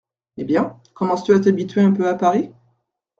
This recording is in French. Eh bien, commences-tu à t’habituer un peu à Paris ?